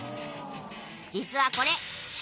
実はこれ。